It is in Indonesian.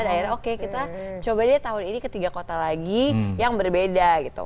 akhirnya oke kita coba deh tahun ini ke tiga kota lagi yang berbeda gitu